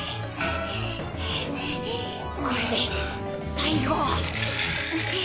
これで最後。